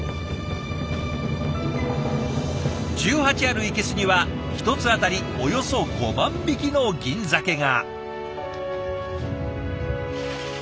１８ある生けすには１つ当たりおよそ５万匹のギンザケが。